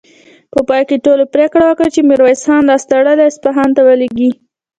په پای کې ټولو پرېکړه وکړه چې ميرويس خان لاس تړلی اصفهان ته ولېږي.